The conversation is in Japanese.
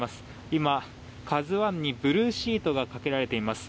今、「ＫＡＺＵ１」にブルーシートがかけられています。